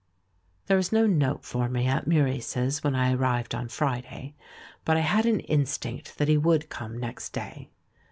There was no note for me at Meurice's when I arrived on Friday, but I had an instinct that he would come next day.